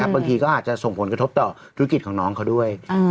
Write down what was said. บางทีก็อาจจะส่งผลกระทบต่อธุรกิจของน้องเขาด้วย